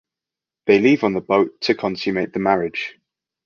They leave on the boat to consummate the marriage.